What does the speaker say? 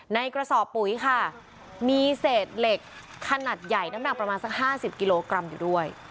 ในกระสอบปุ๋ยค่ะมีเศษเหล็กขนาดใหญ่น้ำหนักประมาณสัก๕๐กิโลกรัมอยู่ด้วย